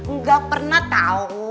nggak pernah tau